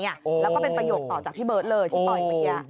แล้วก็เป็นประโยคต่อจากพี่เบิร์ตเลยที่ต่อยเมื่อกี้